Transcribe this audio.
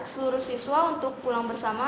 seluruh siswa untuk pulang bersama